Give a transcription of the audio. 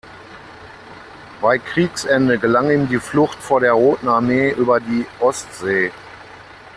Bei Kriegsende gelang ihm die Flucht vor der Roten Armee über die Ostsee.